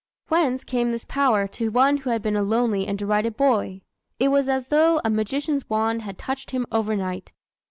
Whence came this power to one who had been a lonely and derided boy? It was as though a magician's wand had touched him overnight.